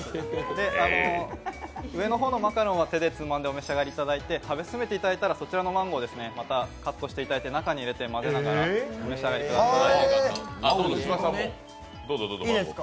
上の方のマカロンは手でつまんでお召し上がりいただいて食べ進めていただいたら、そちらのマンゴー、またカットしていただいて、中に入れて混ぜながらお召し上がりください。